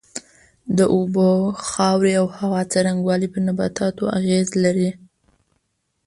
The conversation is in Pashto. د اوبو، خاورې او هوا څرنگوالی پر نباتاتو اغېز لري.